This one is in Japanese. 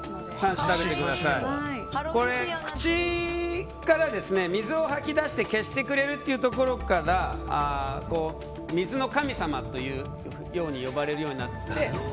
口から水を吐き出して消してくれるというところから水の神様と呼ばれるようになって。